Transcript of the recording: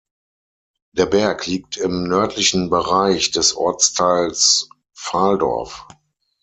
Der Berg liegt im nördlichen Bereich des Ortsteils Valdorf.